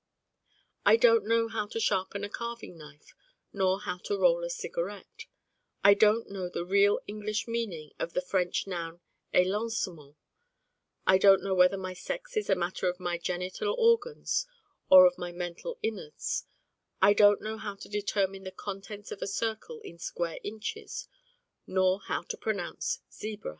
I Don't Know how to sharpen a carving knife, nor how to roll a cigarette: I don't know the real English meaning of the French noun 'élancement': I don't know whether my sex is a matter of my genital organs or of my mental inwards: I don't know how to determine the contents of a circle in square inches, nor how to pronounce 'zebra.